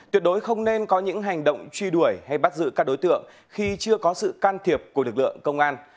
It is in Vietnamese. tuyệt đối không nên có những hành động truy đuổi hay bắt giữ các đối tượng khi chưa có sự can thiệp của lực lượng công an